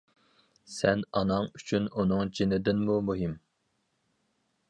سەن ئاناڭ ئۈچۈن ئۇنىڭ جىنىدىنمۇ مۇھىم.